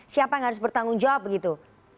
siapa yang harus bertanggung jawab begitu